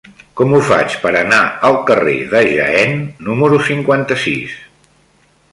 Com ho faig per anar al carrer de Jaén número cinquanta-sis?